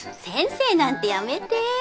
先生なんてやめて。